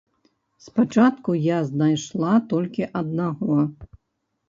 Спачатку я знайшла толькі аднаго.